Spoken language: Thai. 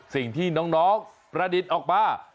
สิ่งที่น้องประดิษฐ์ออกมา